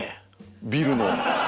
ビルの。